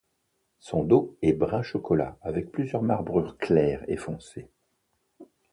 Son dos est brun chocolat avec plusieurs marbrures claires et foncées.